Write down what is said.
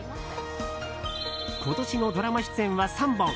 今年のドラマ出演は３本。